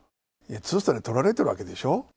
ツーストライクとられてるわけでしょ。